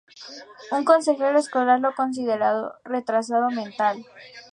Un consejero escolar lo consideró retrasado mental.